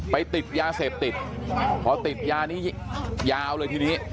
ไปติดยาเสพติดอ๋อพอติดยานี้ยาเอาเลยทีนี้